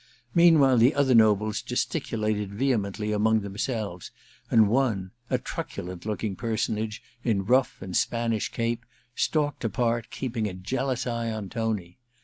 Meanwhile the other nobles gesticulated vehemently among 330 A VENETIAN NIGHTS ii themsdves, and one, a truculent looking person age in rufF and Spanish cape, stalled apart, keeping a jealous eye on Tony.